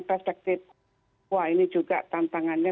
perspektif wah ini juga tantangannya